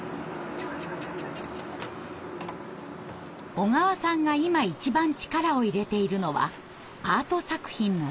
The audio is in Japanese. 小川さんが今一番力を入れているのはアート作品の触図。